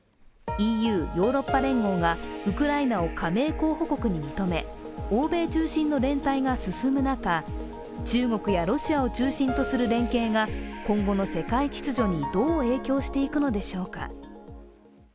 ＥＵ＝ヨーロッパ連合がウクライナを加盟候補国に認め欧米中心の連帯が進む中、中国やロシアを中心とする今後の世界秩序にどう影響していくのでしょうか。